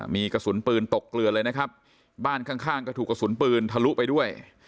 มีกระสุนปืนตกเกลือเลยนะครับบ้านข้างข้างก็ถูกกระสุนปืนทะลุไปด้วย